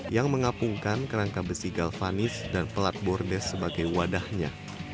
yang mengapungkan kerangka besi galvanis dan pelat bordes sebagai wadahnya